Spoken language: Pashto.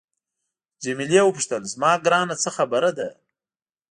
جميله وپوښتل زما ګرانه څه خبره ده.